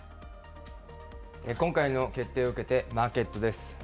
今回の決定を受けてマーケットです。